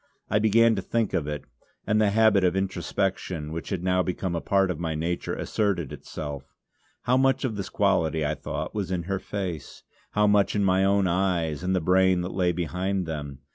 I began to think of it; and the habit of introspection, which had now become a part of my nature, asserted itself. How much of this quality I thought, was in her face, how much in my own eyes and the brain that lay behind them.